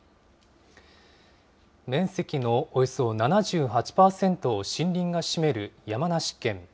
面積のおよそ７８％を森林が占める山梨県。